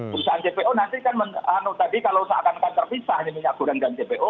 perusahaan jpo nanti kan tadi kalau seakan akan terpisah ini minyak goreng dan jpo